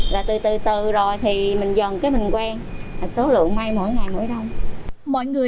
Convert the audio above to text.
rồi từ từ từ rồi thì mình dần cái mình quen số lượng may mỗi ngày mỗi đông